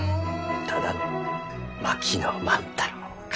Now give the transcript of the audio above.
ただの槙野万太郎か。